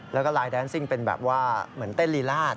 แล้วก็ลายแดนซิ่งเป็นแบบว่าเหมือนเต้นลีลาด